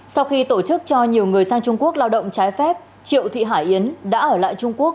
sau khi tổ chức cho nhiều người sang trung quốc lao động trái phép triệu thị hải yến đã ở lại trung quốc